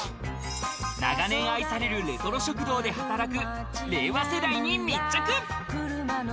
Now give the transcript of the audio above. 長年愛されるレトロ食堂で働く令和世代に密着。